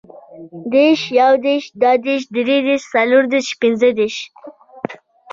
دېرش, یودېرش, دودېرش, دریدېرش, څلوردېرش, پنځهدېرش